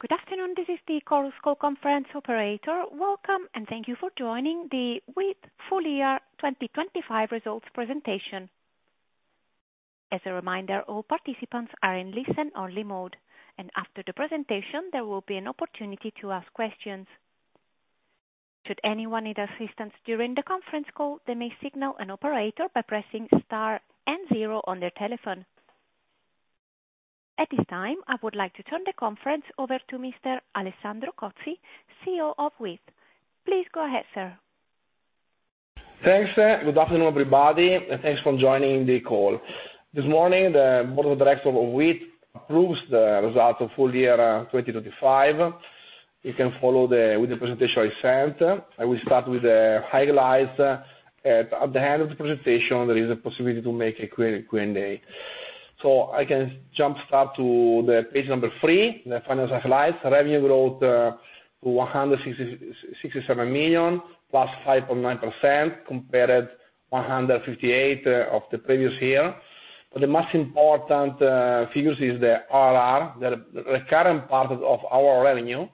Good afternoon, this is the Chorus Call Conference Operator. Welcome, and thank you for joining the Wiit full year 2025 results presentation. As a reminder, all participants are in listen only mode, and after the presentation there will be an opportunity to ask questions. Should anyone need assistance during the conference call, they may signal an operator by pressing star and zero on their telephone. At this time, I would like to turn the conference over to Mr. Alessandro Cozzi, CEO of Wiit. Please go ahead, sir. Thanks. Good afternoon, everybody, and thanks for joining the call. This morning, the board of directors of Wiit approved the results of full year 2025. You can follow with the presentation I sent. I will start with the highlights. At the end of the presentation there is a possibility to make a Q&A. I can jump start to page 3, the financial highlights. Revenue growth, 167 million +5.9%, compared 158 million of the previous year. The most important figure is the RR. The recurring part of our revenue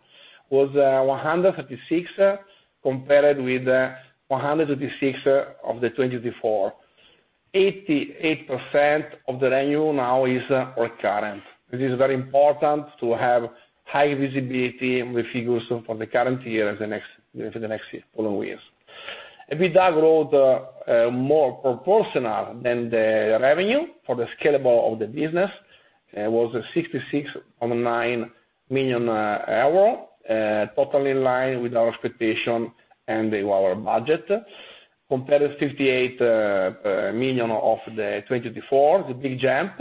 was, 156 million compared with, 156 million of 2024. 88% of the revenue now is recurrent. This is very important to have high visibility with figures for the current year and the next following years. EBITDA growth more proportional than the revenue growth for the scalability of the business was 66.9 million euro, totally in line with our expectation and our budget. Compared to 58 million of 2024, it's a big jump.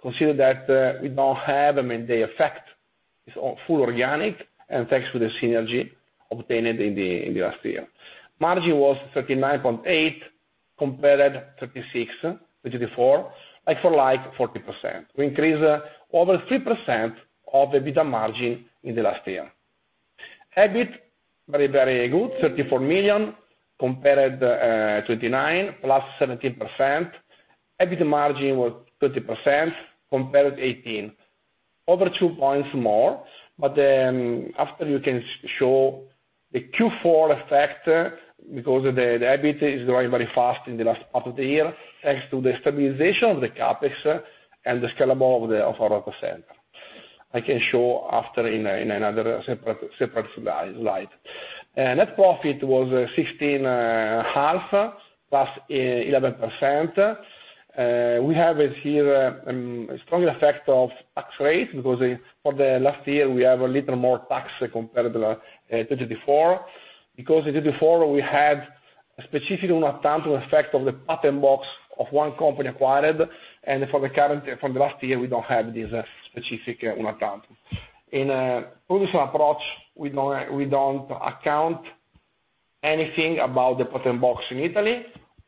Consider that we don't have the effect, it's all fully organic and thanks to the synergy obtained in the last year. Margin was 39.8% compared 36% 2024, like for like 40%. We increased the EBITDA margin over 3% in the last year. EBIT very, very good, 34 million compared 29 +17%. EBIT margin was 30% compared 18. Over 2 points more. After you can show the Q4 effect because the EBIT is growing very fast in the last part of the year, thanks to the stabilization of the CapEx and the scalability of our data center. I can show after in another separate slide. Net profit was 16.5 plus 11%. We have here a strong effect of tax rate because for the last year we have a little more tax compared to 2024. In 2024 we had a specific one-time effect of the Patent Box of one company acquired, and for the last year we don't have this specific one-off. In a previous approach, we don't account anything about the Patent Box in Italy.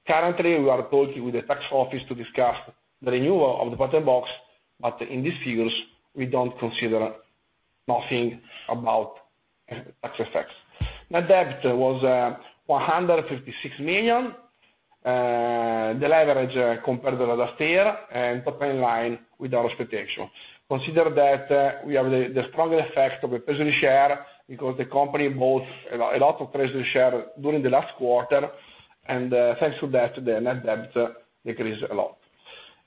Currently, we are talking with the tax office to discuss the renewal of the Patent Box. In these fields we don't consider nothing about tax effects. Net debt was 156 million, the leverage compared to last year and totally in line with our expectation. Consider that we have the strong effect of a treasury share, because the company bought a lot of treasury share during the last quarter, and thanks to that the net debt decreased a lot.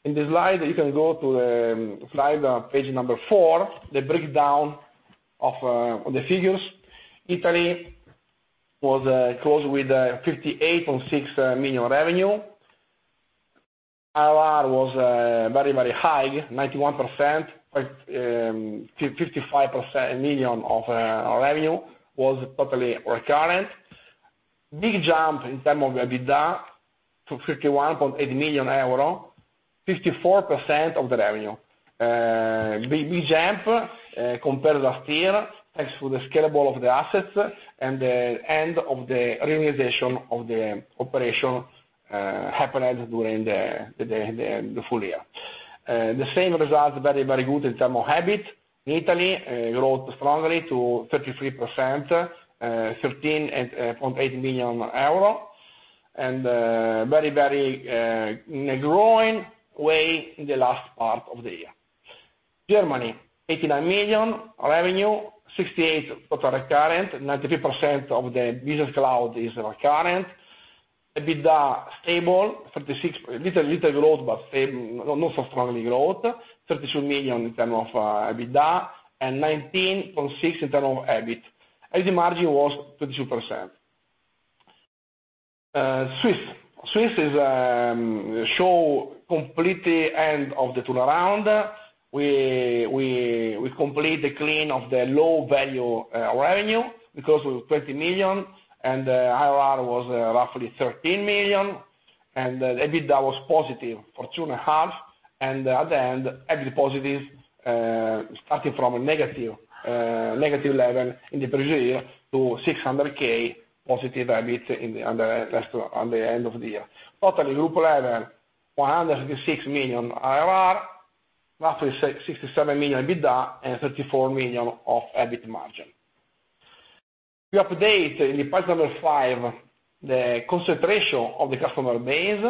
In the slide, you can go to slide page number 4, the breakdown of the figures. Italy was closed with 58.6 million revenue. RR was very high, 91%. 55% of revenue was totally recurrent. Big jump in terms of EBITDA to 51.8 million euro, 54% of the revenue. Big jump compared last year, thanks to the scalability of the assets and the end of the realization of the operation happened during the full year. The same results very good in term of EBIT. Italy growth strongly to 33%, 13.8 million euro. Very in a growing way in the last part of the year. Germany, 89 million revenue, 68 total recurrent. 93% of the business cloud is recurrent. EBITDA stable, 36%, little growth but same, not so strongly growth. 32 million in term of EBITDA and 19.6 in term of EBIT. EBIT margin was 32%. Swiss. Swiss is showing complete end of the turnaround. We complete the clean of the low value revenue because it was 20 million and RR was roughly 13 million, and the EBITDA was positive for 2.5 million. At the end EBIT positive, starting from a -11 in the previous year to 600,000 positive EBIT at the end of the year. Totally group level 156 million RR, roughly 67 million EBITDA, and 34 million of EBIT margin. We update in the part number 5, the concentration of the customer base.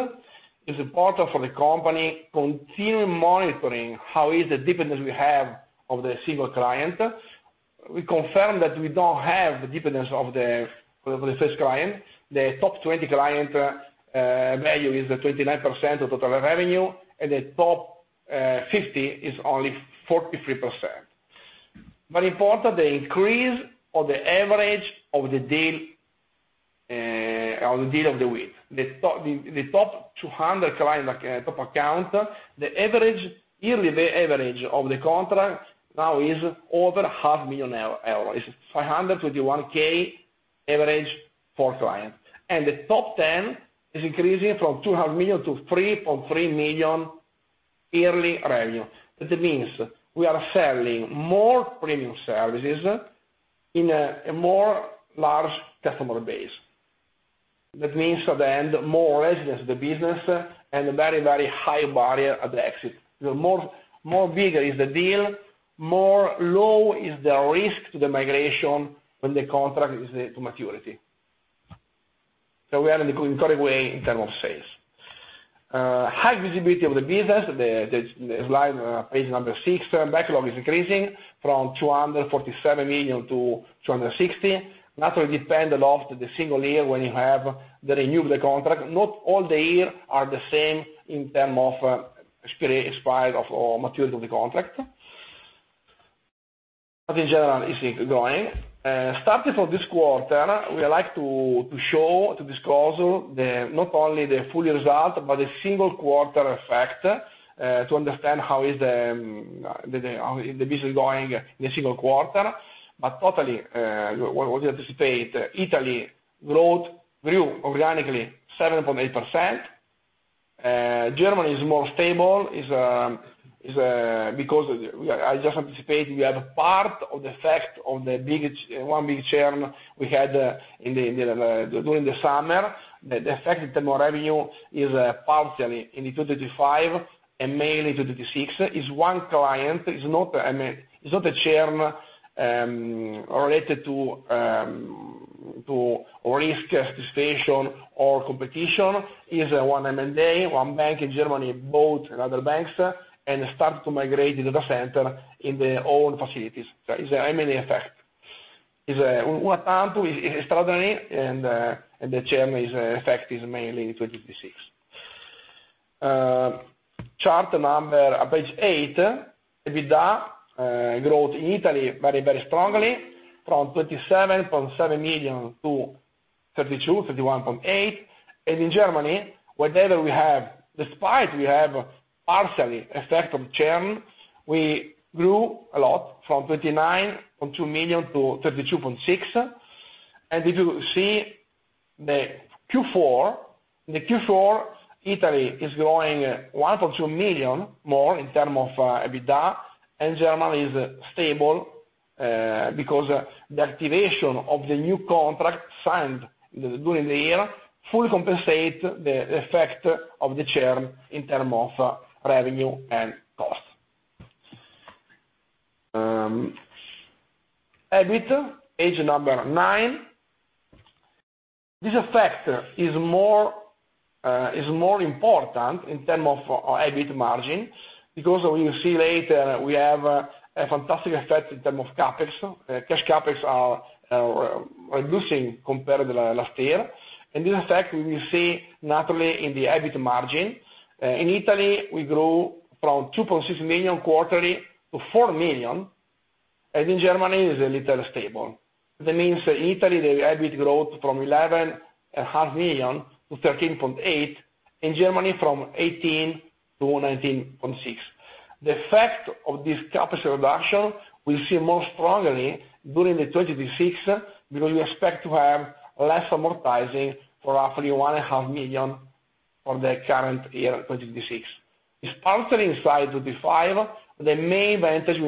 It's important for the company continue monitoring how is the dependence we have of the single client. We confirm that we don't have the dependence of the first client. The top 20 client value is 29% of total revenue, and the top 50 is only 43%. Very important, the increase of the average of the deal size. The top 200 client top account, the average yearly of the contract now is over half million EUR. It's 521K average for client. The top 10 is increasing from 200 million to 3.3 million yearly revenue. That means we are selling more premium services in a more large customer base. That means at the end, more resilience of the business and a very, very high barrier at the exit. The more bigger is the deal, more low is the risk to the migration when the contract is to maturity. We are in a good, correct way in terms of sales. High visibility of the business, the slide, page number six. Backlog is increasing from 247 million to 260 million. Naturally depends a lot on the single year when you have to renew the contract. Not all the years are the same in terms of expiry or maturity of the contract. In general, it's going. Starting from this quarter, we like to show, to disclose not only the full result, but the single quarter effect, to understand how the business is going in the single quarter. Totally, we anticipate Italy grew organically 7.8%. Germany is more stable, because we are... I just anticipate we have a part of the effect of the one big churn we had in the summer. The effect in total revenue is partially in 2025 and mainly 2026. It is one client. It is not a churn, I mean, not related to customer satisfaction or competition. It is one M&A. One bank in Germany bought another bank and started to migrate data center in their own facilities. That is the main effect. It is one time, extraordinary and the churn effect is mainly in 2026. Chart number, page 8. EBITDA growth in Italy very strongly from 27.7 million to 31.8 million. In Germany, whatever we have, despite we have partial effect of churn, we grew a lot from 29.2 million to 32.6 million. If you see the Q4, Italy is growing 1.2 million more in terms of EBITDA. Germany is stable, because the activation of the new contract signed during the year fully compensates the effect of the churn in terms of revenue and costs. EBIT, page number 9. This effect is more important in terms of EBIT margin because you'll see later we have a fantastic effect in terms of CapEx. Cash CapEx are reducing compared to the last year. This effect we will see naturally in the EBIT margin. In Italy, we grow from 2.6 million quarterly to 4 million, and in Germany is a little stable. That means that Italy, the EBIT growth from eleven and a half million to 13.8, in Germany from 18 to 19.6. The effect of this CapEx reduction we see more strongly during the 2026, because we expect to have less amortizing for roughly one and a half million for the current year, 2026. It's partially inside 2025, the main benefit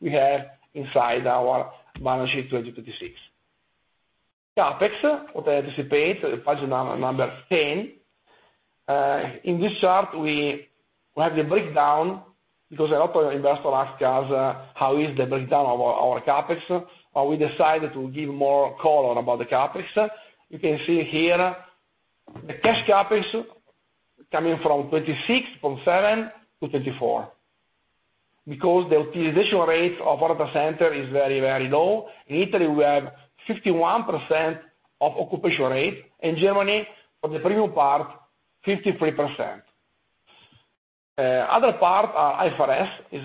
we have inside our balance sheet 2026. CapEx, what I anticipate, page number ten. In this chart, we have the breakdown because a lot of investors ask us how is the breakdown of our CapEx, we decided to give more color about the CapEx. You can see here, the cash CapEx coming from 26.7 million to 24 million. Because the utilization rate of data center is very, very low. In Italy, we have 51% occupation rate. In Germany, for the premium part, 53%. Other part, IFRS, is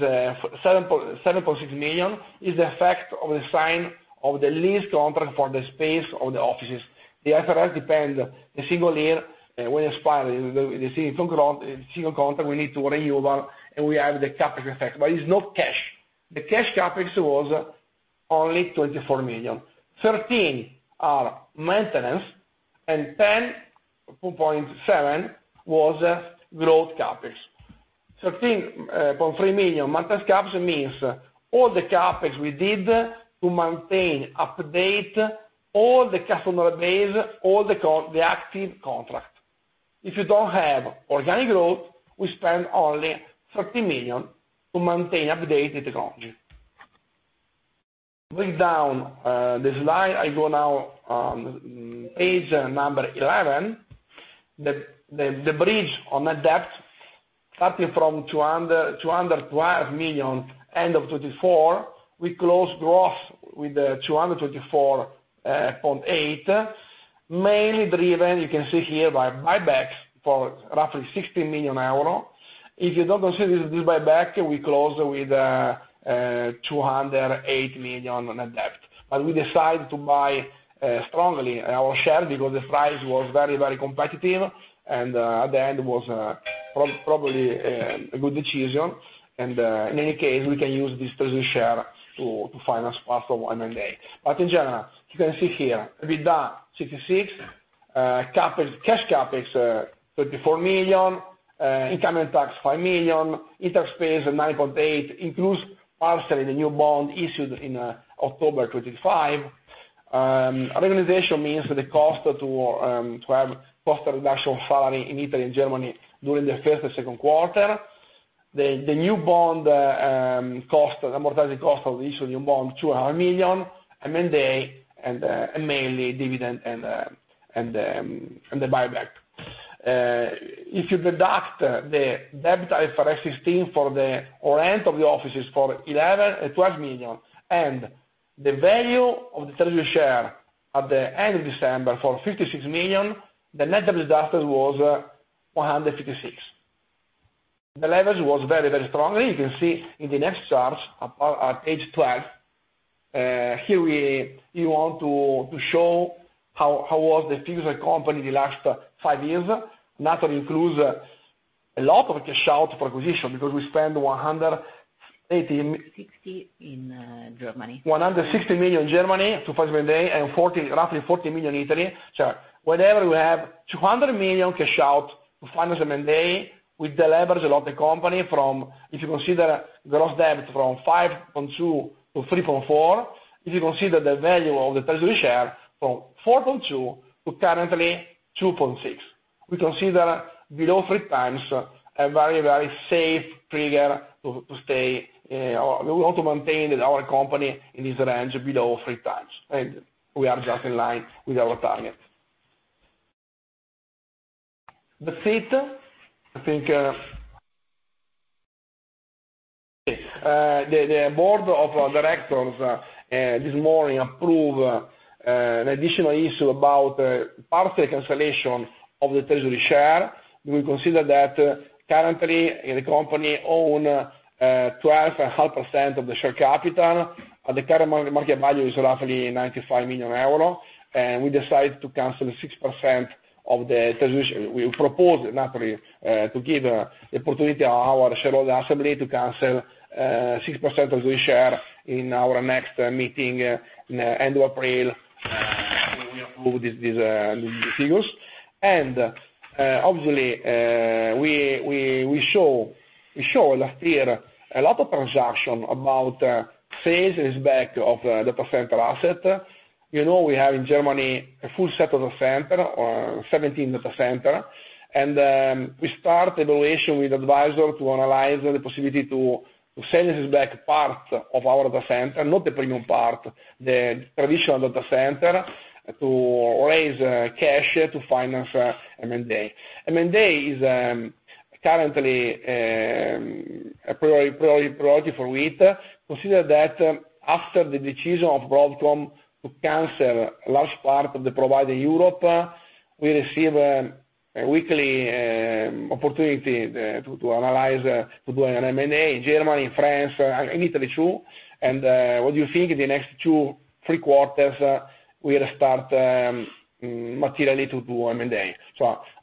7.6 million, is the effect of the signing of the lease contract for the space of the offices. The IFRS depends on the single year when the single contract expires we need to renew and we have the CapEx effect, but is no cash. The cash CapEx was only 24 million. 13 are maintenance and 10.7 was growth CapEx. 13.3 million maintenance CapEx means all the CapEx we did to maintain, update all the customer base, all the active contract. If you don't have organic growth, we spend only 30 million to maintain updated technology. Going down the slide, I go now on page 11. The bridge on net debt starting from 212 million end of 2024, we close growth with 224.8, mainly driven, you can see here, by buybacks for roughly 60 million euro. If you don't consider this buyback, we close with 208 million net debt. We decided to buy strongly our share because the price was very, very competitive and at the end was probably a good decision. In any case, we can use this treasury share to finance part of M&A. In general, you can see here, EBITDA 66 million, cash CapEx 34 million, income and tax 5 million, interest paid 9.8 million, includes partially the new bond issued in October 2025. Organization means the cost to have cost reduction of salary in Italy and Germany during the first and second quarter. The new bond cost, amortizing cost of the issue of new bond, 200 million, M&A and mainly dividend and the buyback. If you deduct the debt IFRS 16 for the end of the leases for 11 or 12 million, and the value of the treasury share at the end of December for 56 million, the net of this debt was 156 million. The leverage was very strong. You can see in the next charts at page 12. Here we want to show how was the future of the company in the last five years. Naturally includes a lot of cash out for acquisition because we spent 180 mil- 60 in, Germany. 160 million in Germany to finance M&A and 40, roughly 40 million in Italy. Whenever we have 200 million cash out to finance M&A, we deleverage a lot the company from, if you consider gross debt from 5.2 to 3.4, if you consider the value of the treasury share from 4.2 to currently 2.6. We consider below 3x a very, very safe trigger to stay, or we want to maintain our company in this range below 3x, and we are just in line with our target. The fifth, I think. The board of directors this morning approved an additional issue about partial cancellation of the treasury share. We consider that currently the company own 12.5% of the share capital. At the current market value is roughly 95 million euro, and we decided to cancel 6% of the treasury shares. We propose naturally to give opportunity to our shareholder assembly to cancel 6% of the shares in our next meeting at end of April. We approve these figures. Obviously, we show last year a lot of transactions about sales and leaseback of data center assets. You know, we have in Germany a full set of data centers, 17 data centers. We start evaluation with advisor to analyze the possibility to sell the back part of our data centers, not the premium part, the traditional data centers, to raise cash to finance M&A. M&A is currently a priority for Wiit. Consider that after the decision of Broadcom to cancel large part of the VMware Europe, we receive weekly opportunity to analyze to do an M&A in Germany, in France, in Italy too. What do you think the next two, three quarters, we'll start materially to do M&A.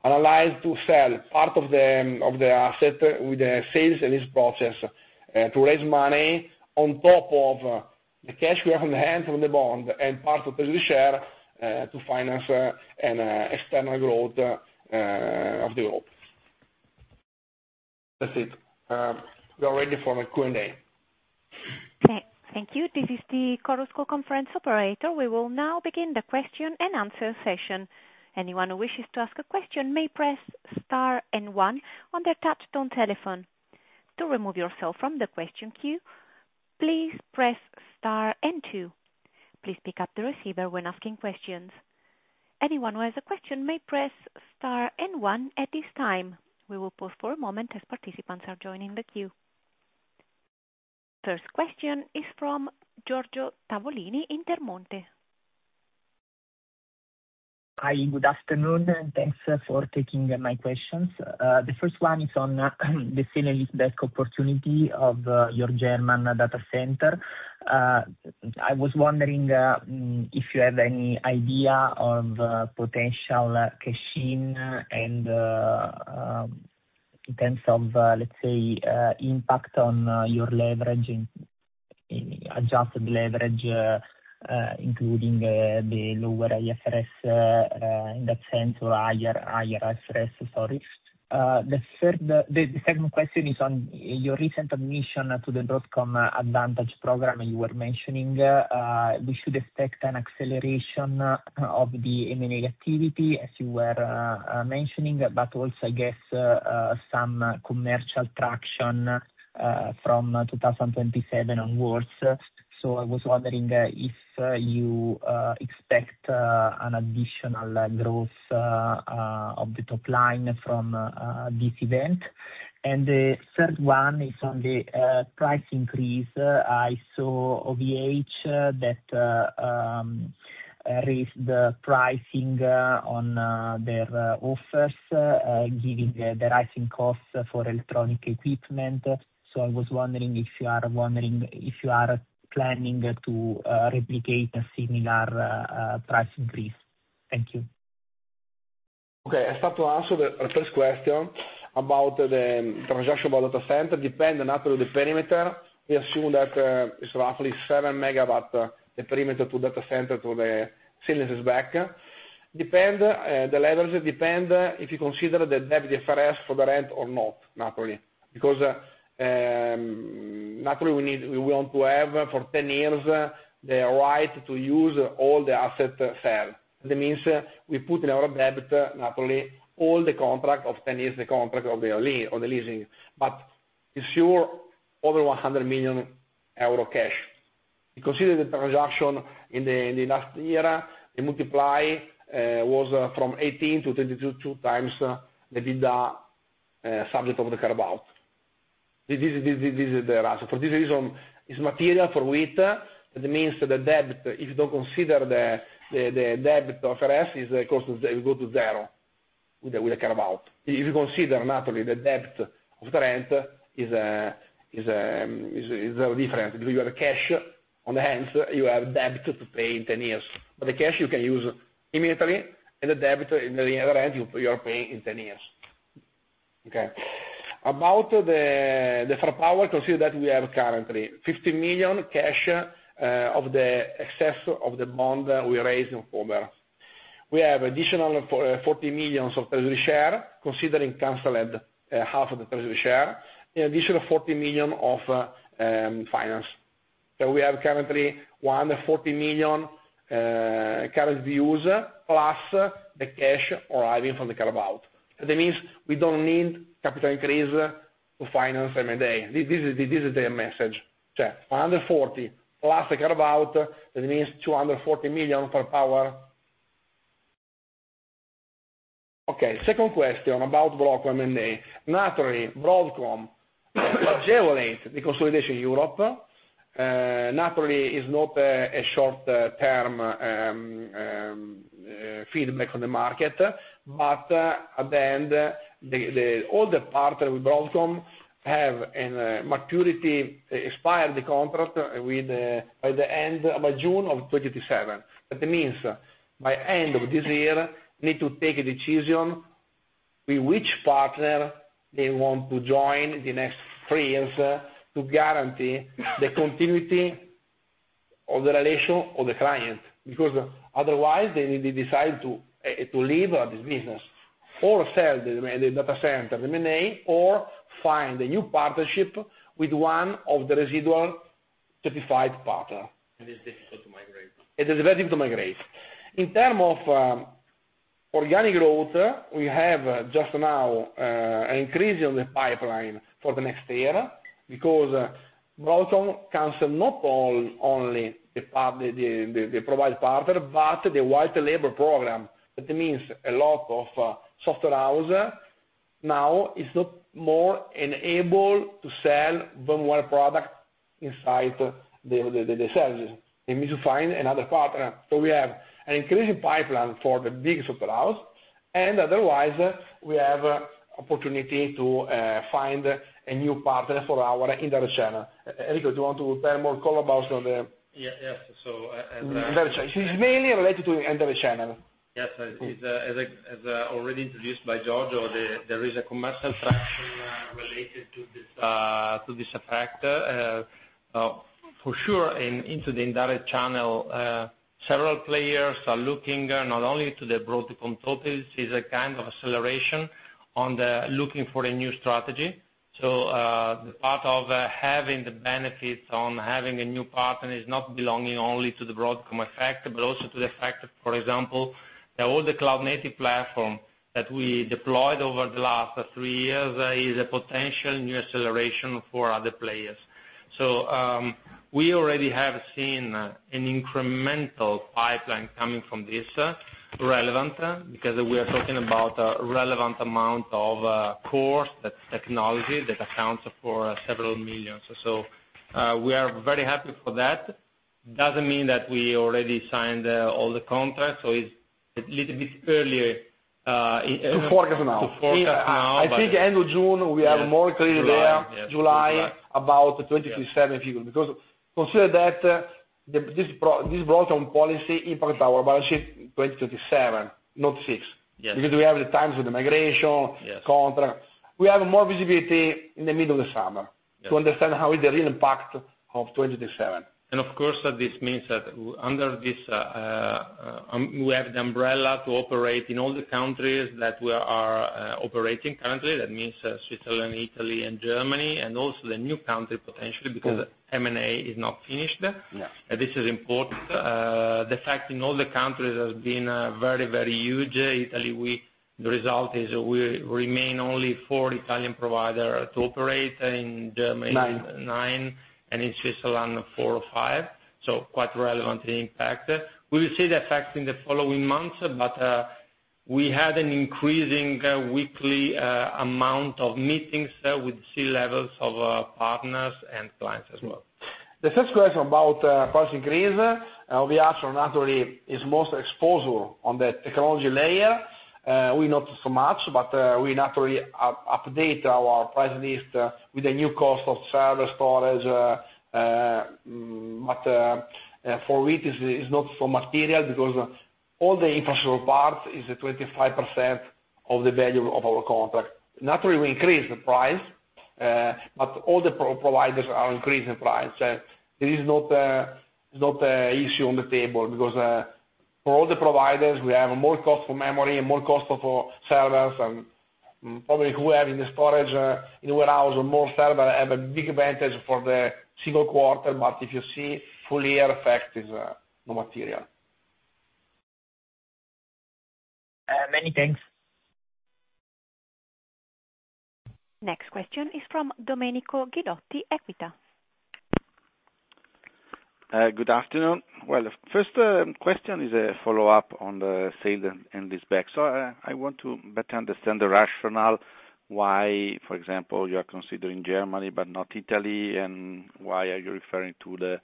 Analyze to sell part of the asset with the sale and leaseback process to raise money on top of the cash we have on hand from the bond and part of treasury share to finance an external growth of the group. That's it. We are ready for the Q&A. Okay, thank you. This is the Chorus Call conference operator. We will now begin the question and answer session. Anyone who wishes to ask a question may press star and one on their touch-tone telephone. To remove yourself from the question queue, please press star and two. Please pick up the receiver when asking questions. Anyone who has a question may press star and one at this time. We will pause for a moment as participants are joining the queue. First question is from Giorgio Tavolini, Intermonte. Hi, good afternoon, and thanks for taking my questions. The first one is on the sale and leaseback opportunity of your German data center. I was wondering if you have any idea of potential cash in and in terms of let's say impact on your leverage in adjusted leverage including the lower IFRS in that sense or higher IFRS, sorry. The second question is on your recent admission to the Broadcom Advantage program you were mentioning. We should expect an acceleration of the M&A activity as you were mentioning, but also I guess some commercial traction from 2027 onwards. I was wondering if you expect an additional growth of the top line from this event. The third one is on the price increase. I saw that OVH raised the pricing on their offers given the rising costs for electronic equipment. I was wondering if you are planning to replicate a similar price increase. Thank you. Okay. I start to answer the first question about the transaction about data center. Depends on the perimeter. We assume that it's roughly 7 megawatts, the perimeter to data center to the sale and leaseback. The levels depend if you consider the debt difference for the rent or not, naturally. Because naturally we need, we want to have for 10 years the right to use all the asset sale. That means we put in our debt, naturally, all the contract of 10 years, the contract of the leasing. But it's sure over 100 million euro cash. You consider the transaction in the last year, the multiple was from 18-22x the subject of the carve-out. This is the answer. For this reason, it's material for Wiit. That means that the debt, if you don't consider the debt, the rest is, of course, go to zero with the carve-out. If you consider naturally the rental debt is different. You have cash on hand, you have debt to pay in 10 years. But the cash you can use immediately and the debt on the other end, you are paying in 10 years. Okay. About the firepower, consider that we have currently 50 million cash of the excess of the bond we raised in October. We have additional 40 million of treasury share, considering canceled half of the treasury share. In addition, 40 million of finance. So we have currently 140 million current views, plus the cash arriving from the carve-out. That means we don't need capital increase to finance M&A. This is the message. One hundred forty plus the carve-out, that means 240 million for power. Okay, second question about Broadcom M&A. Naturally, Broadcom accelerate the consolidation in Europe. Naturally is not a short term feedback on the market. At the end, the older partner with Broadcom have an maturity expire the contract with by the end of June of 2027. That means by end of this year, need to take a decision with which partner they want to join the next three years to guarantee the continuity of the relation of the client. Because otherwise they need to decide to leave this business or sell the data center, the M&A, or find a new partnership with one of the residual certified partner. It is difficult to migrate. It is very difficult to migrate. In terms of organic growth, we have just now an increase in the pipeline for the next year because Broadcom canceled not only the provider partner, but the white label program. That means a lot of software house now is no more enabled to sell VMware product inside the services. They need to find another partner. We have an increasing pipeline for the big software house. Otherwise, we have opportunity to find a new partner for our indirect channel. Enrico, do you want to tell more about on the- Yeah. Yes. It's mainly related to indirect channel. Yes. As already introduced by Giorgio, there is a commercial traction related to this effect. For sure into the indirect channel, several players are looking not only to the Broadcom topics. It is a kind of acceleration of the looking for a new strategy. Part of having the benefits of having a Broadcom partner is not belonging only to the Broadcom effect, but also to the effect, for example, that all the cloud native platform that we deployed over the last three years is a potential new acceleration for other players. We already have seen an incremental pipeline coming from this relevance, because we are talking about a relevant amount, of course, that technology that accounts for several million EUR. We are very happy for that. Doesn't mean that we already signed all the contracts, so it's a little bit early. To forecast now. To forecast now. I think end of June we are more clear there. July. July, about 2027 figure. Consider that this Broadcom policy impacts our balance sheet in 2027, not 6. Yes. Because we have the timelines with the migration. Yes. Contract. We have more visibility in the middle of the summer to understand how the real impact of 20-27 is. Of course, this means that under this, we have the umbrella to operate in all the countries that we are operating currently. That means Switzerland, Italy and Germany, and also the new country, potentially, because M&A is not finished. No. This is important. The fact in all the countries has been very, very huge. Italy, the result is we remain one of only four Italian providers to operate. In Germany. Nine. 9. In Switzerland, 4 or 5. Quite relevant impact. We will see the effect in the following months. We had an increasing weekly amount of meetings with C-levels of partners and clients as well. The first question about price increase, we actually naturally is most exposure on the technology layer. We not so much, but we naturally update our price list with the new cost of service storage. For it is not so material because all the infrastructure part is 25% of the value of our contract. Naturally, we increase the price, but all the providers are increasing price. It is not a issue on the table because for all the providers, we have more cost for memory and more cost for servers. And probably who have in the storage, in warehouse or more server have a big advantage for the single quarter. If you see full year effect is no material. Many thanks. Next question is from Domenico Ghilotti, Equita. Good afternoon. Well, the first question is a follow-up on the sale and leaseback. I want to better understand the rationale why, for example, you are considering Germany but not Italy. Why are you referring to the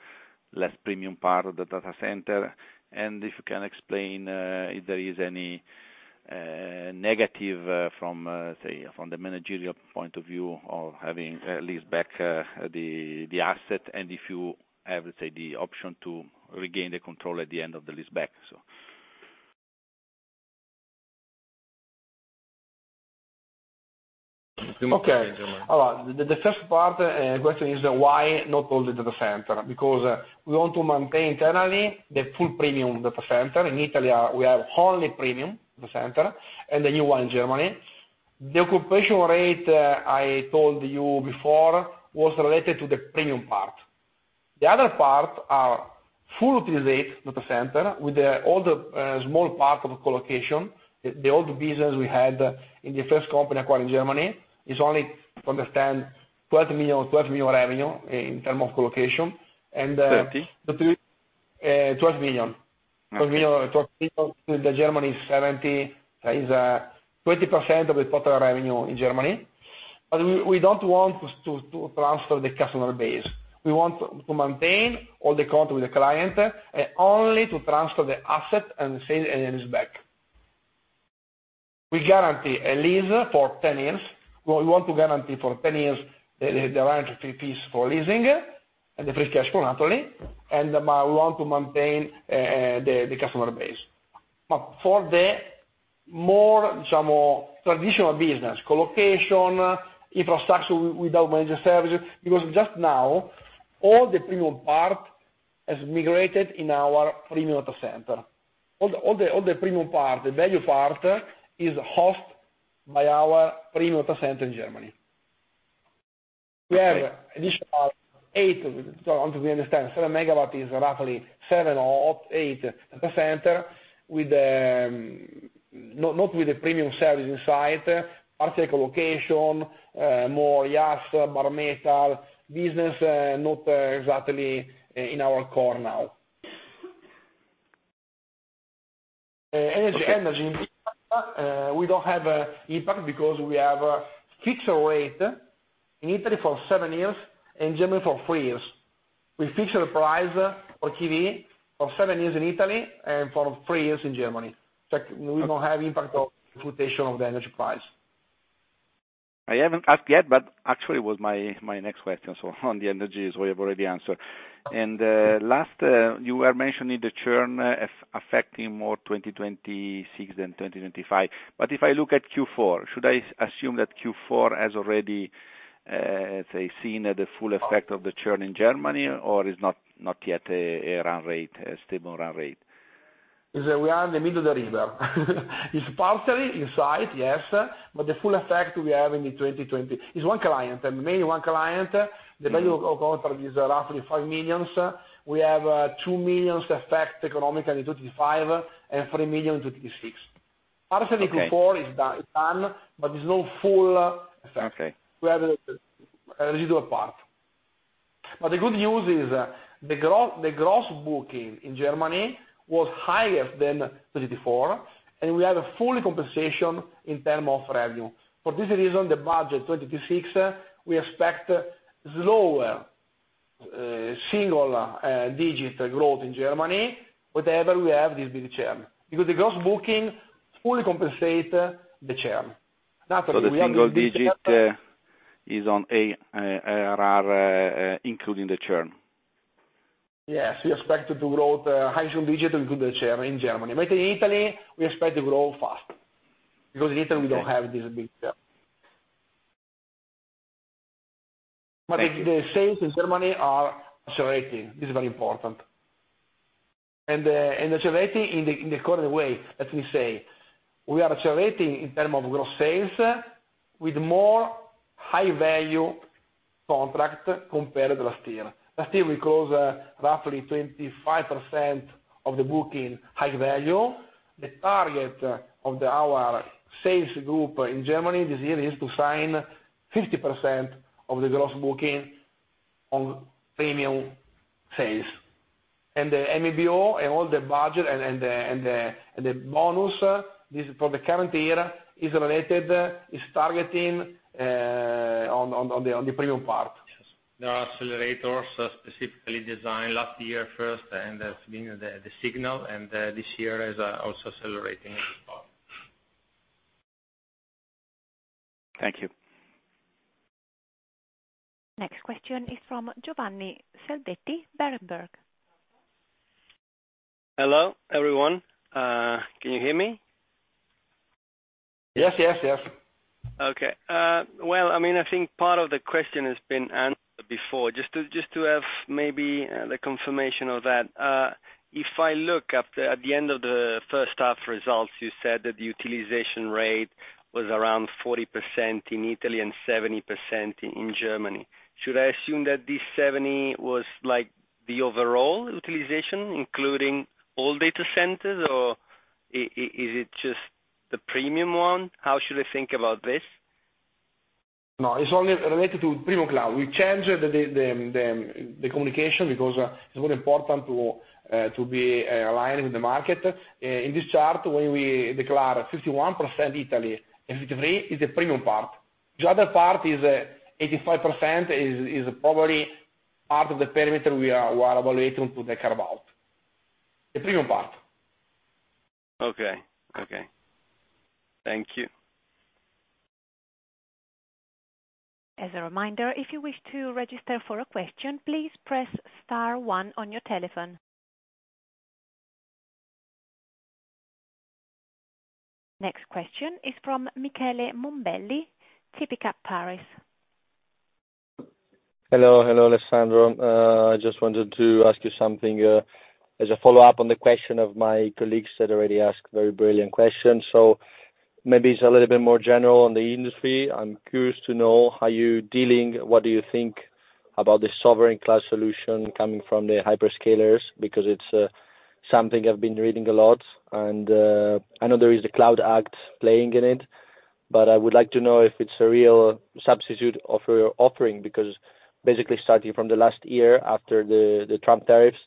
less premium part of the data center? If you can explain if there is any negative from, say, from the managerial point of view of having a leaseback the asset. If you have, say, the option to regain the control at the end of the leaseback so. Okay. The first part question is why not all the data center? Because we want to maintain internally the full premium data center. In Italy, we have only premium data center and the new one in Germany. The occupation rate I told you before was related to the premium part. The other part are fully utilized data center with all the small part of colocation. The old business we had in the first company acquired in Germany is only 12 million revenue in terms of colocation. Thirty? 12 million. Okay. 12 million. In Germany, 70 is 20% of the total revenue in Germany. We don't want to transfer the customer base. We want to maintain all the contract with the client, only to transfer the asset and sale and leaseback. We guarantee a lease for 10 years. We want to guarantee for 10 years the right to pay lease for leasing and the free cash flow naturally. We want to maintain the customer base. For the more traditional business colocation, infrastructure without managed services. Because just now all the premium part has migrated in our premium data center. All the premium part, the value part is hosted by our premium data center in Germany. We have additional 8. To understand 7 megawatt is roughly 7 or 8 data center with not with the premium service inside. Colocation, more IaaS, bare metal business, not exactly in our core now. Energy impact. We don't have impact because we have a fixed rate in Italy for 7 years and Germany for 3 years. We fix the price for PV for 7 years in Italy and for 3 years in Germany. In fact, we don't have impact of fluctuation of the energy price. I haven't asked yet, but actually it was my next question. On the synergies you have already answered. Last, you were mentioning the churn affecting more 2026 than 2025. If I look at Q4, should I assume that Q4 has already, let's say, seen the full effect of the churn in Germany or is not yet a run rate, a stable run rate? is that we are in the middle of the river. It's partially inside, yes, but the full effect we have in 2020. It's one client, the main one client. The value of contract is roughly 5 million. We have 2 million economic effect in 2025 and 3 million in 2026. Okay. Partially Q4 is done, but there's no full effect. Okay. We have the residual part. The good news is the gross booking in Germany was higher than 2024, and we have a full compensation in terms of revenue. For this reason, the budget 2026, we expect lower single digit growth in Germany, whatever we have this big churn. Because the gross booking fully compensate the churn. Naturally, we have. The single digit is on a RR including the churn? Yes, we expect to grow in the high single digits. Germany. In Italy, we expect to grow faster because in Italy we don't have this big. The sales in Germany are accelerating. This is very important. Accelerating in the current way, let me say. We are accelerating in terms of gross sales with more high value contract compared last year. Last year, we closed roughly 25% of the booking high value. The target of our sales group in Germany this year is to sign 50% of the gross booking on premium sales. The MBO and all the budget and the bonus, this for the current year is related, is targeting on the premium part. There are accelerators specifically designed last year first, and it's been the signal and this year is also accelerating as well. Thank you. Next question is from Giovanni Salvetti, Berenberg. Hello, everyone. Can you hear me? Yes. Yes. Yes. Okay. Well, I mean, I think part of the question has been answered before. Just to have maybe the confirmation of that. If I look at the end of the first half results, you said that the utilization rate was around 40% in Italy and 70% in Germany. Should I assume that this 70 was like the overall utilization, including all data centers, or is it just the premium one? How should I think about this? No, it's only related to Premium Cloud. We changed the communication because it's more important to be aligned with the market. In this chart, when we declare 51% Italy and 53, it's the premium part. The other part is 85% probably part of the parameter we are evaluating to take care about. The premium part. Okay. Thank you. As a reminder, if you wish to register for a question, please press star one on your telephone. Next question is from Michele Mombelli, TP ICAP Midcap. Hello. Hello, Alessandro. I just wanted to ask you something, as a follow-up on the question of my colleagues that already asked very brilliant questions. Maybe it's a little bit more general on the industry. I'm curious to know how you're dealing, what do you think about the sovereign cloud solution coming from the hyperscalers? Because it's something I've been reading a lot and I know there is a CLOUD Act playing in it, but I would like to know if it's a real substitute of your offering, because basically starting from the last year after the Trump tariffs,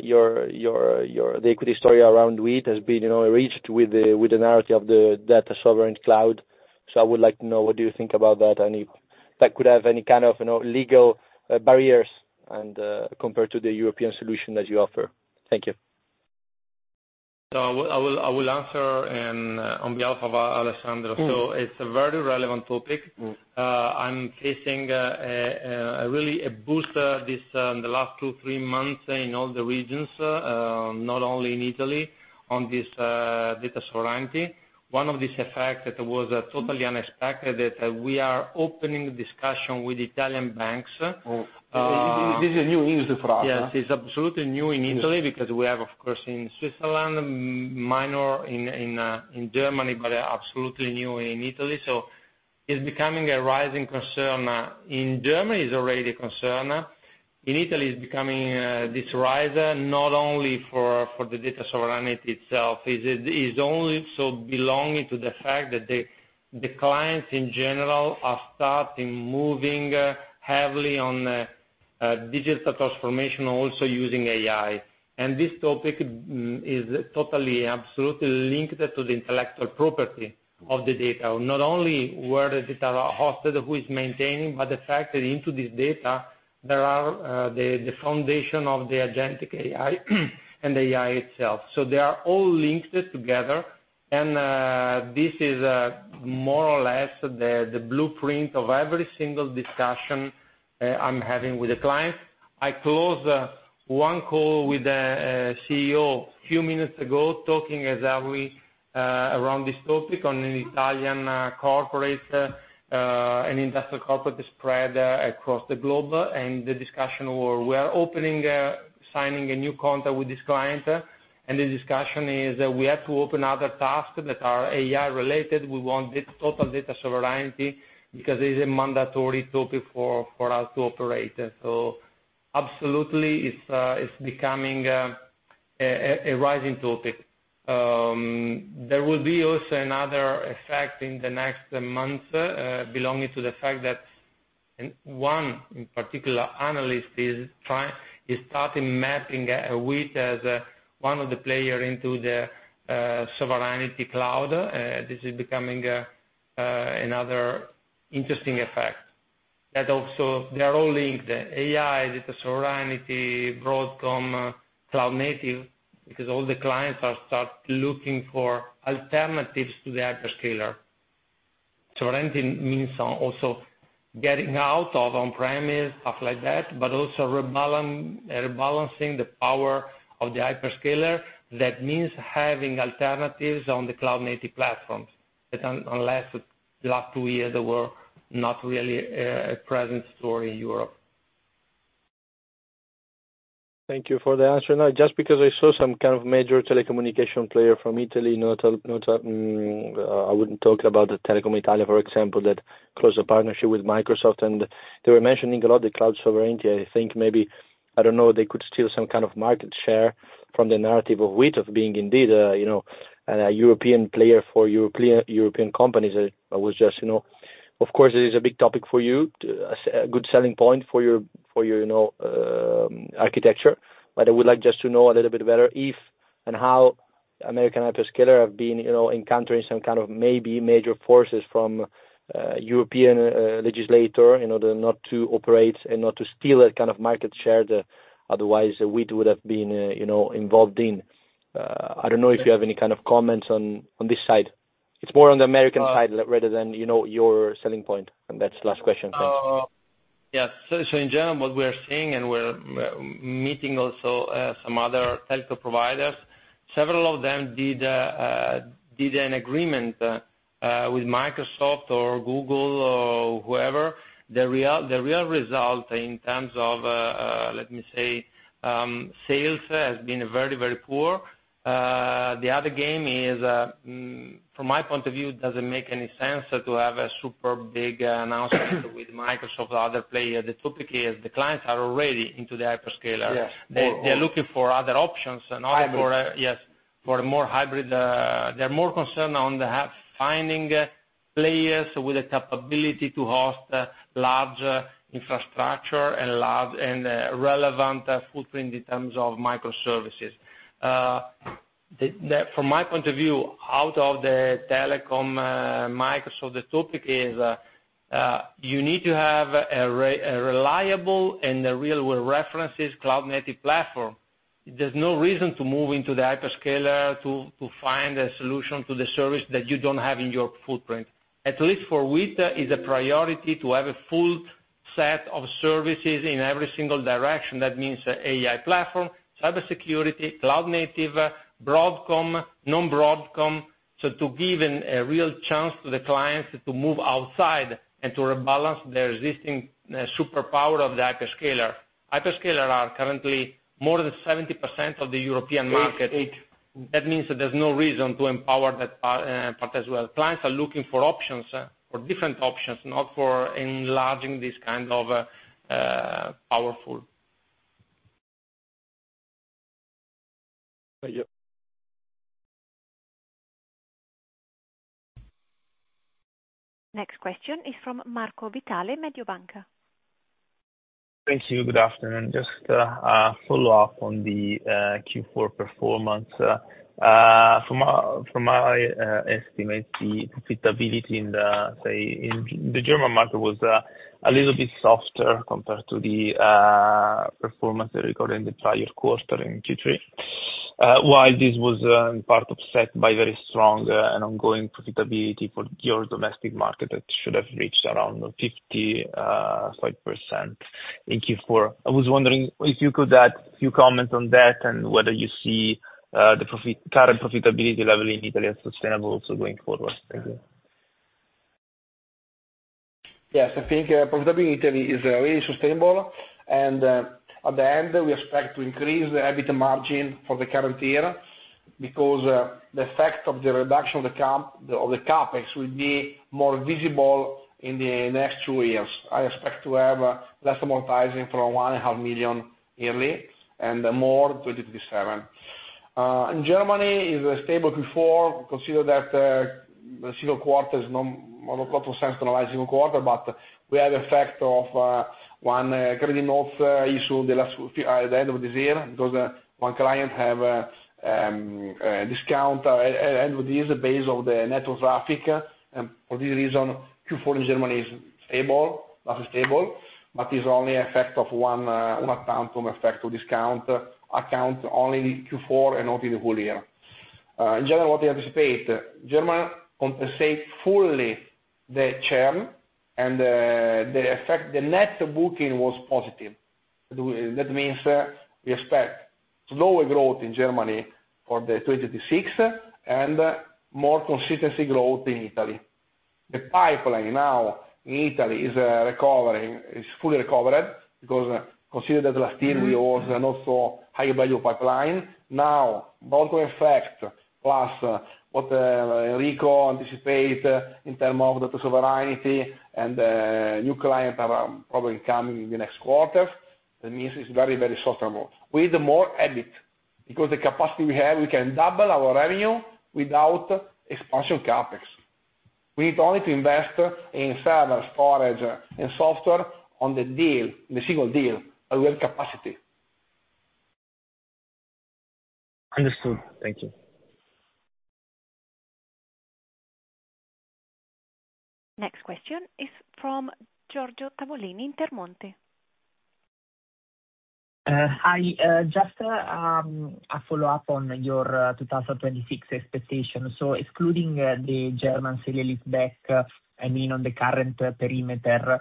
your the equity story around Wiit has been, you know, reached with the narrative of the data sovereignty cloud. I would like to know, what do you think about that? That could have any kind of, you know, legal barriers and compared to the European solution that you offer. Thank you. I will answer on behalf of Alessandro. Mm. It's a very relevant topic. Mm. I'm facing really a boost this in the last 2, 3 months in all the regions, not only in Italy, on this data sovereignty. One of this effect that was totally unexpected, that we are opening discussion with Italian banks. This is a new. industry for us. Yes, it's absolutely new in Italy. Yes Because we have of course in Switzerland, minor in Germany, but absolutely new in Italy. It's becoming a rising concern. In Germany, it's already a concern. In Italy, it's becoming a rising, not only for the data sovereignty itself but also belonging to the fact that the clients in general are starting moving heavily on digital transformation, also using AI. This topic is totally absolutely linked to the intellectual property of the data. Not only where the data are hosted, who is maintaining, but the fact that into this data, there are the foundation of the Generative AI and AI itself. They are all linked together. This is more or less the blueprint of every single discussion I'm having with the clients. I closed one call with a CEO a few minutes ago talking exactly around this topic on an Italian corporate an industrial corporate spread across the globe. The discussion were we are opening signing a new contract with this client. The discussion is we have to open other tasks that are AI related. We want total data sovereignty because it's a mandatory topic for us to operate. Absolutely it's becoming a rising topic. There will be also another effect in the next month belonging to the fact that one particular analyst is starting mapping Wiit as one of the player into the sovereignty cloud. This is becoming another interesting effect. They are all linked, AI, data sovereignty, Broadcom, cloud native, because all the clients are starting to look for alternatives to the hyperscaler. Sovereignty means also getting out of on-premise stuff like that, but also rebalancing the power of the hyperscaler. That means having alternatives on the cloud-native platforms that until the last two years they were not really a present story in Europe. Thank you for the answer. Now, just because I saw some kind of major telecommunications player from Italy, I wouldn't talk about the Telecom Italia, for example, that closed a partnership with Microsoft and they were mentioning a lot the cloud sovereignty. I think they could steal some kind of market share from the narrative of Wiit of being indeed a, you know, a European player for European companies. Of course, it is a big topic for you, a good selling point for your, for your, you know, architecture. I would like just to know a little bit better if and how American hyperscalers have been, you know, encountering some kind of maybe major forces from European legislation in order not to operate and not to steal a kind of market share that otherwise Wiit would have been, you know, involved in. I don't know if you have any kind of comments on this side. It's more on the American side rather than, you know, your selling point. That's the last question. Thanks. Yes. In general, what we are seeing, and we're meeting also some other telco providers, several of them did an agreement with Microsoft or Google or whoever. The real result in terms of, let me say, sales has been very poor. The other game is, from my point of view, it doesn't make any sense to have a super big announcement with Microsoft or other player. The topic is the clients are already into the hyperscaler. Yes. They're looking for other options in order for. Hybrid. Yes. For more hybrid. They're more concerned with finding players with the capability to host large infrastructure and relevant footprint in terms of microservices. From my point of view, out of the telecom, Microsoft, the topic is you need to have a reliable and a real-world references cloud-native platform. There's no reason to move into the hyperscaler to find a solution to the service that you don't have in your footprint. At least for Wiit, is a priority to have a full set of services in every single direction. That means AI platform, cybersecurity, cloud-native, Broadcom, non-Broadcom. So to give a real chance to the clients to move outside and to rebalance the existing superpower of the hyperscaler. Hyperscalers are currently more than 70% of the European market. 8. That means that there's no reason to empower that part as well. Clients are looking for options, for different options, not for enlarging this kind of powerful. Thank you. Next question is from Marco Vitale, Mediobanca. Thank you. Good afternoon. Just a follow-up on the Q4 performance. From my estimate, the profitability in the, say, in the German market was a little bit softer compared to the performance recorded in the prior quarter in Q3. While this was part offset by very strong and ongoing profitability for your domestic market, that should have reached around 55% in Q4. I was wondering if you could add a few comments on that and whether you see the current profitability level in Italy as sustainable also going forward. Thank you. Yes. I think profitability in Italy is really sustainable. At the end, we expect to increase the EBITDA margin for the current year because the effect of the reduction of the CapEx will be more visible in the next two years. I expect to have less amortizing from 1.5 million yearly and more in 2027. In Germany is stable Q4. Consider that the single quarter doesn't make sense to analyze single quarter, but we had effect of one credit note issue at the end of this year because one client have discount. This is based on the network traffic. For this reason, Q4 in Germany is stable, that is stable, but is only effect of one account from effect to discount account only Q4 and not in the full year. In general, what we anticipate, Germany compensates fully the churn and the effect, the net booking was positive. That means, we expect slower growth in Germany for 2026 and more consistent growth in Italy. The pipeline now in Italy is recovering, is fully recovered because consider that last year we also not so high value pipeline. Now, in fact, plus what Enrico anticipates in terms of data sovereignty and new clients are probably coming in the next quarters. That means it's very, very sustainable. We need more EBIT because the capacity we have, we can double our revenue without expansion CapEx. We need only to invest in servers, storage, and software on the deal, the single deal, and we have capacity. Understood. Thank you. Next question is from Giorgio Tavolini, Intermonte. Hi. Just a follow-up on your 2026 expectation. Excluding the German sale and leaseback, I mean, on the current perimeter,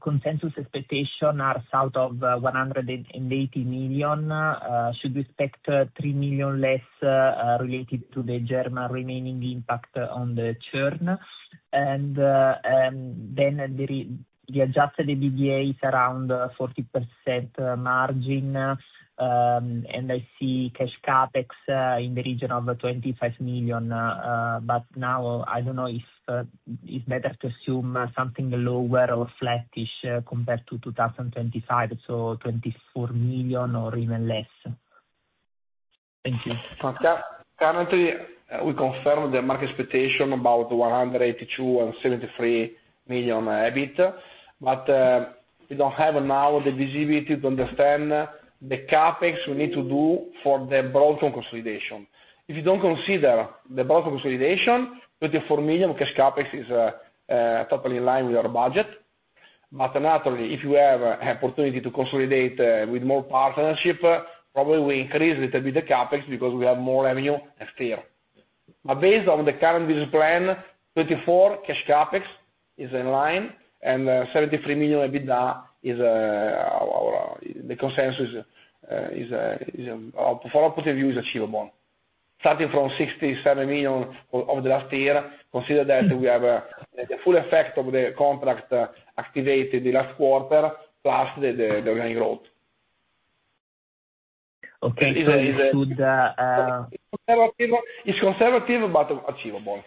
consensus expectation are south of 180 million. Should we expect 3 million less related to the German remaining impact on the churn? The adjusted EBITDA is around 40% margin. I see cash CapEx in the region of 25 million. Now I don't know if it's better to assume something lower or flattish compared to 2025, so 24 million or even less. Thank you. Currently, we confirm the market expectation about 182 million and 73 million EBIT. We don't have now the visibility to understand the CapEx we need to do for the Broadcom consolidation. If you don't consider the Broadcom consolidation, 34 million cash CapEx is totally in line with our budget. Naturally, if you have an opportunity to consolidate with more partnership, probably we increase little bit the CapEx because we have more revenue and still. Based on the current business plan, 34 million cash CapEx is in line and 73 million EBITDA is our the consensus is from our point of view is achievable. Starting from 67 million over the last year, consider that we have the full effect of the contract activated the last quarter, plus the organic growth. Okay. It should It's conservative. It's conservative, but achievable.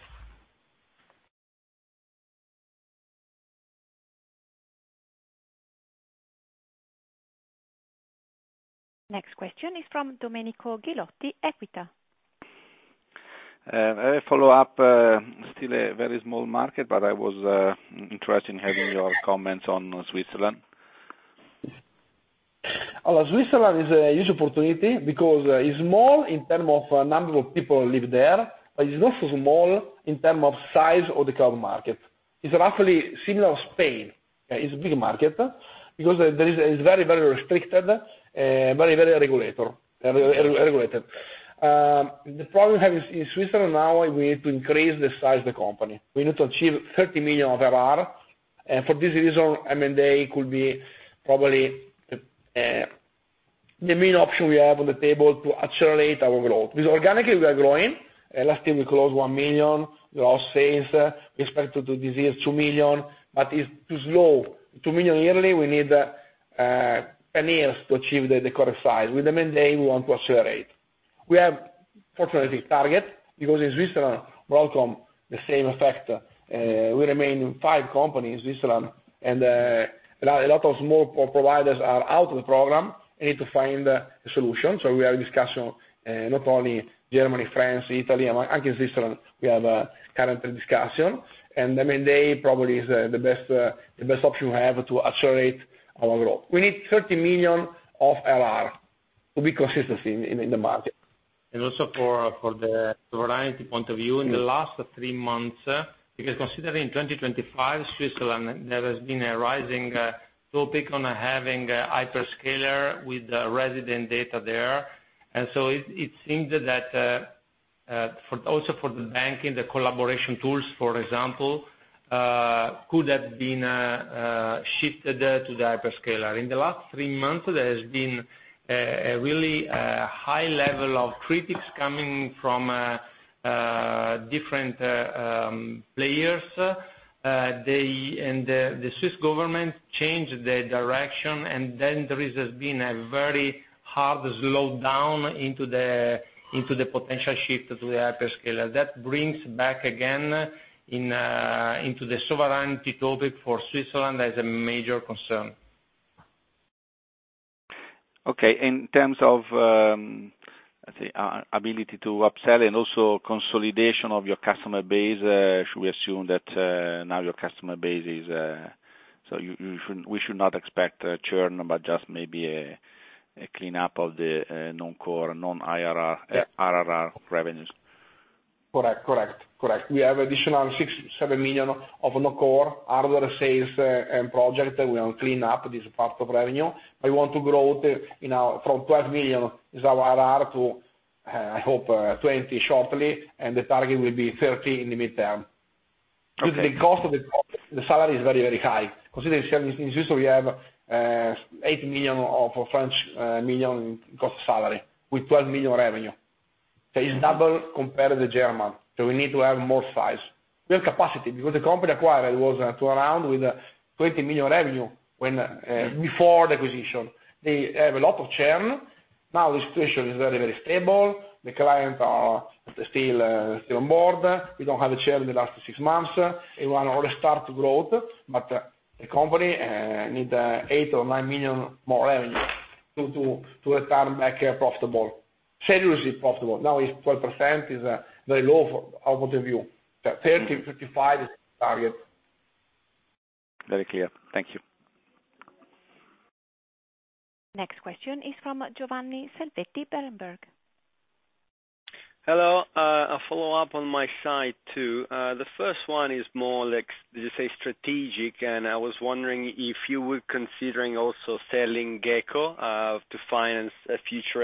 Next question is from Domenico Ghilotti, Equita. A follow-up. Still a very small market, but I was interested in having your comments on Switzerland. Switzerland is a huge opportunity because it's small in terms of number of people who live there, but it's also small in terms of size of the cloud market. It's roughly similar to Spain. It's a big market because it's very restricted, very regulated. The problem we have is in Switzerland now we need to increase the size of the company. We need to achieve 30 million of ARR. For this reason, M&A could be probably the main option we have on the table to accelerate our growth. Because organically we are growing. Last year we closed 1 million gross sales. We expect to do this year 2 million, but it's too slow. 2 million yearly, we need 10 years to achieve the correct size. With M&A, we want to accelerate. We have fortunately target because in Switzerland, Broadcom, the same effect. We remain five companies, Switzerland, and a lot of small providers are out of the program and need to find a solution. We are in discussion not only Germany, France, Italy. Actually, Switzerland we have a current discussion. M&A probably is the best option we have to accelerate our growth. We need 30 million of ARR to be consistent in the market. Also for the sovereignty point of view, in the last three months, because considering in 2025, Switzerland, there has been a rising topic on having a hyperscaler with resident data there. It seems that for also for the banking, the collaboration tools, for example, could have been shifted to the hyperscaler. In the last three months, there has been a really high level of criticism coming from different players. They and the Swiss government changed the direction, and then there has been a very hard slowdown into the potential shift to the hyperscaler. That brings back again into the sovereignty topic for Switzerland as a major concern. Okay. In terms of, let's say, ability to upsell and also consolidation of your customer base, should we assume that now your customer base is. We should not expect a churn, but just maybe a cleanup of the non-core, non-RR- Yeah RR revenues? Correct. We have additional 6-7 million of non-core hardware sales and project. We want to clean up this part of revenue. We want to grow the, you know, from 12 million is our ARR to, I hope, 20 shortly, and the target will be 30 in the midterm. Okay. Because the cost of the product, the salary is very, very high. Considering in Switzerland we have 8 million cost of salary with 12 million revenue. It's double compared to the German. We need to have more size. We have capacity because the company acquired was around 20 million revenue when before the acquisition. They have a lot of churn. Now the situation is very, very stable. The clients are still on board. We don't have a churn in the last six months. We want to restart growth, but the company need eight or nine million more revenue to return back profitable. Seriously profitable. Now it's 12% is very low for our point of view. 30%-35% is the target. Very clear. Thank you. Next question is from Giovanni Salvetti, Berenberg. Hello. A follow-up on my side, too. The first one is more like, did you say strategic? I was wondering if you were considering also selling Geco to finance a future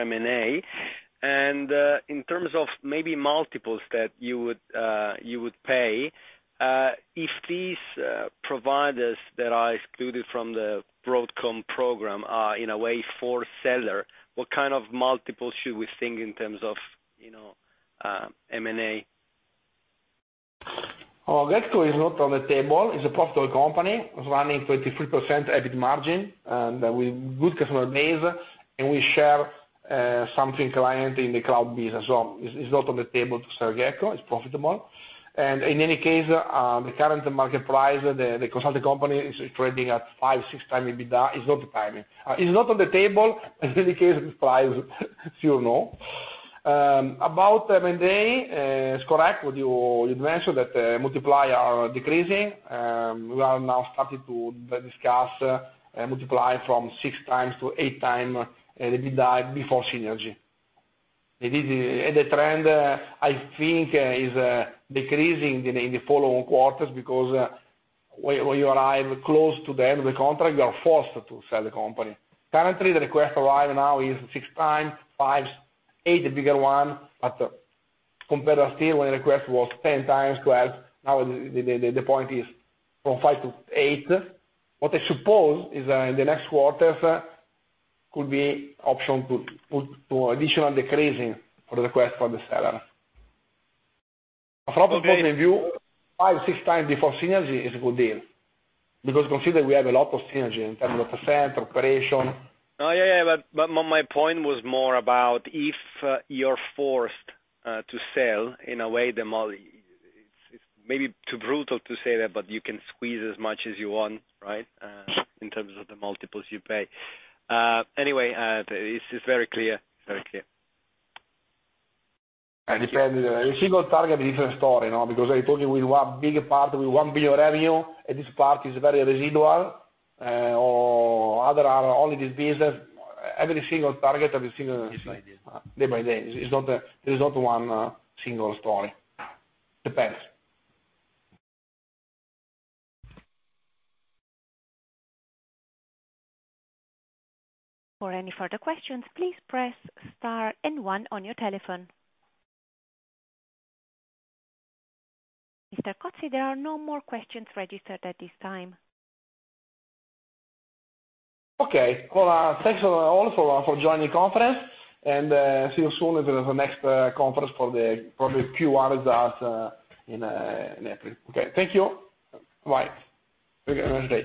M&A. In terms of maybe multiples that you would pay, if these providers that are excluded from the Broadcom program are anyway for sellers, what kind of multiples should we think in terms of, you know, M&A? Oh, Geco is not on the table. It's a profitable company. It's running 23% EBIT margin, and with good customer base, and we share some clients in the cloud business. It's not on the table to sell Geco. It's profitable. In any case, the current market price, the consulting company is trading at 5-6x EBITDA. It's not the timing. It's not on the table. In any case, the price, you know. About M&A, it's correct what you mentioned, that multiples are decreasing. We are now starting to discuss multiples from 6x to 8x the EBITDA before synergy. The trend, I think, is decreasing in the following quarters because when you arrive close to the end of the contract, you are forced to sell the company. Currently, the request arrive now is 5x-8x, the bigger one. Compared to still when the request was 10x-12x, now the point is 5x-8x. What I suppose is in the next quarters could be option to put to additional decreasing for the request for the seller. From the point of view, 5x-6x before synergy is a good deal. Consider we have a lot of synergy in terms of percent, operation. My point was more about if you're forced to sell in a way, it's maybe too brutal to say that, but you can squeeze as much as you want, right? In terms of the multiples you pay. Anyway, this is very clear. It depends. Every single target is different story, you know. Because I told you we want bigger part, we want bigger revenue, and this part is very residual. Or others are only this business. Every single target of a single Yes, I did. Day by day. There is not one single story. Depends. For any further questions, please press star and one on your telephone. Mr. Cozzi, there are no more questions registered at this time. Okay. Well, thanks all for joining the conference. See you soon at the next conference for the Q1 results in April. Okay, thank you. Bye. Have a good rest of the day.